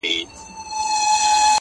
د دې کيسې يادوي-